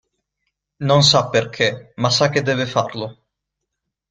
Non sa perché, ma sa che deve farlo.